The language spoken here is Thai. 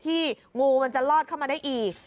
งูมันจะลอดเข้ามาได้อีก